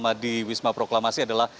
sama di wisma proklamasi adalah